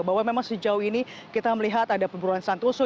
bahwa memang sejauh ini kita melihat ada pemburuan santoso